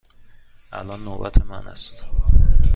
الان نوبت من است.